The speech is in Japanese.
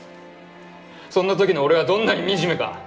そんな時の俺はどんなに惨めか。